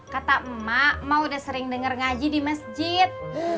kata mak mak udah sering denger ngaji di masjid